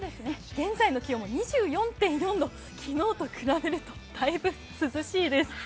現在の気温が２４．４度、昨日と比べるとだいぶ涼しいです。